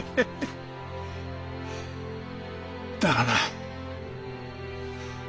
だがな。